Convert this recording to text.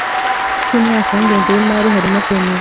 cy umwaka w ingengo y imari harimo kwemeza